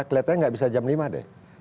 kelihatannya nggak bisa jam lima deh